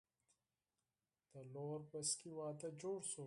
د لور بسکي وادۀ جوړ شو